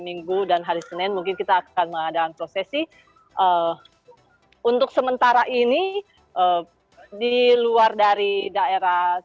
minggu dan hari senin mungkin kita akan mengadakan prosesi untuk sementara ini di luar dari daerah